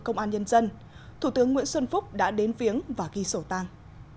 công an nhân dân thủ tướng nguyễn xuân phúc đã đến phiếng và ghi sổ tàng